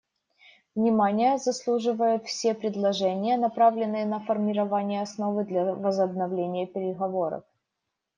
Внимания заслуживают все предложения, направленные на формирование основы для возобновления переговоров.